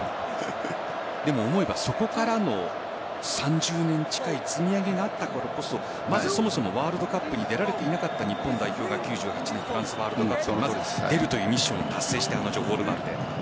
思えば、そこから３０年近い積み上げがあったこそワールドカップに出られていなかった日本代表が９８年フランスワールドカップ出るというミッションを達成した。